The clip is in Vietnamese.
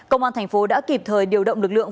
công an tp hcm đã kịp thời điều động lực lượng